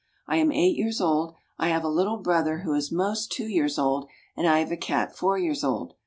I am eight years old. I have a little brother who is 'most two years old, and I have a cat four years old.